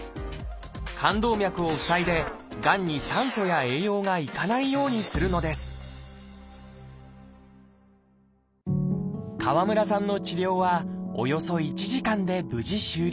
肝動脈を塞いでがんに酸素や栄養が行かないようにするのです川村さんの治療はおよそ１時間で無事終了。